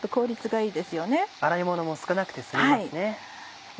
洗いものも少なくて済みますね。